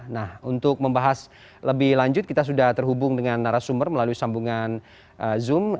nah untuk membahas lebih lanjut kita sudah terhubung dengan narasumber melalui sambungan zoom